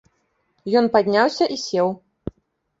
Ён падняўся і сеў.